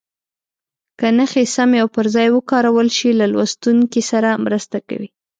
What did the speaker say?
که نښې سمې او پر ځای وکارول شي له لوستونکي سره مرسته کوي.